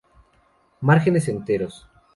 Márgenes enteros.